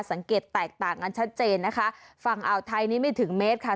สังเกตแตกต่างกันชัดเจนนะคะฝั่งอ่าวไทยนี้ไม่ถึงเมตรค่ะ